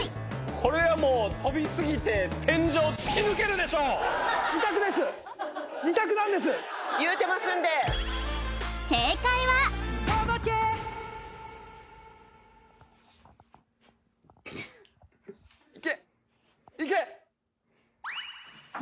これはもう跳びすぎて天井突き抜けるでしょう２択なんです正解はいけいけ！